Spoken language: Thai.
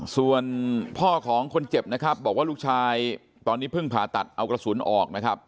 ส่วนพ่อของคนเจ็บนะครับบอกว่าลูกชายตอนนี้เพิ่งผ่าตัดเอากระสุนออกนะครับ